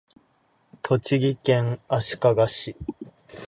栃木県足利市